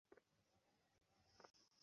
তোমার চোখের রঙ কী?